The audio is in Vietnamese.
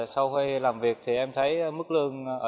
sau khi làm việc em thấy mức lương rất tốt